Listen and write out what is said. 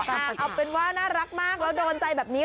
เอาเป็นว่าน่ารักมากแล้วโดนใจแบบนี้